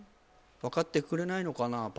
わかってくれないのかな